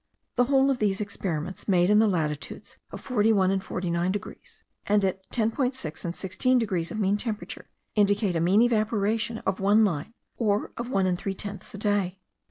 The whole of these experiments, made in the latitudes of 41 and 49 degrees, and at 10.5 and 16 degrees of mean temperature, indicate a mean evaporation of one line, or one and three tenths a day.